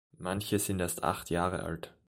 Manche sind erst acht Jahre alt.